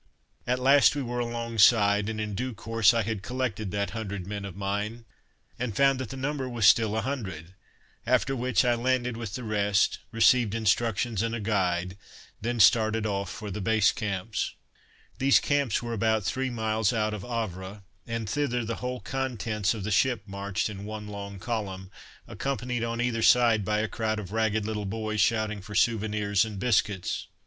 At last we were alongside, and in due course I had collected that hundred men of mine, and found that the number was still a hundred, after which I landed with the rest, received instructions and a guide, then started off for the Base Camps. [Illustration: "Rations"] These Camps were about three miles out of Havre, and thither the whole contents of the ship marched in one long column, accompanied on either side by a crowd of ragged little boys shouting for souvenirs and biscuits.